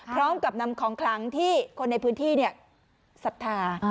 พร้อมกับนำของคลังที่คนในพื้นที่ศรัทธา